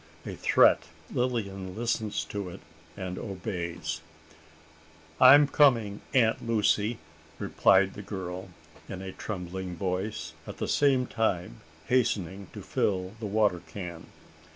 A threat! Lilian listens to it, and obeys! "I am coming, Aunt Lucy!" replied the girl, in a trembling voice, at the same time hastening to fill the water can.